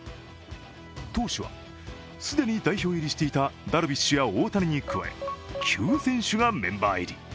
投手は、既に代表入りしていたダルビッシュや大谷に加え９選手がメンバー入り。